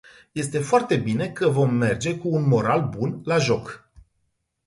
Este foarte bine că vom merge cu un moral bun la joc.